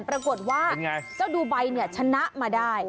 ปรากฏว่าเจ้าดูไบเนี่ยชนะมาได้